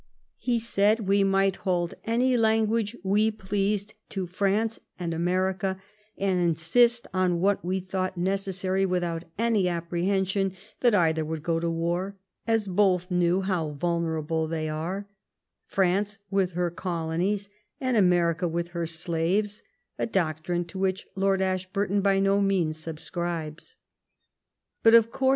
He said we might hold any language we pleased to France ai^d America, and insist on what we thought necessary, without any appre hension that either would go to war, as hoth knew how Tolnerable they are, France with her colonies and America with her slaves ; a doctrine to which Lord Ashburton by no means subscribes. But, of course.